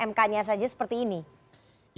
mk nya saja seperti ini